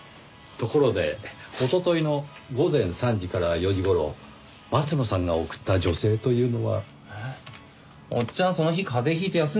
ところでおとといの午前３時から４時頃松野さんが送った女性というのは？えっ？おっちゃんその日風邪引いて休んでましたよ。